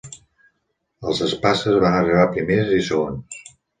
Els Espaces van arribar primers i segons.